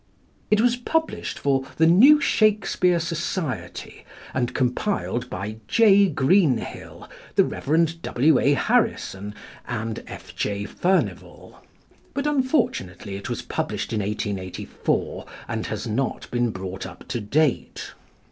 It was published for "The New Shakespeare Society," and compiled by J. Greenhill, the Rev. W. A. Harrison, and F. J. Furnivall; but unfortunately it was published in 1884, and has not been brought up to date.